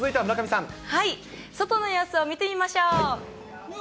外の様子を見てみましょう。